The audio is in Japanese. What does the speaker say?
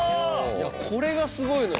これがすごいのよ